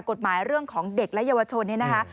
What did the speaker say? เรื่องของเด็กและเยาวชนเนี่ยนะคะ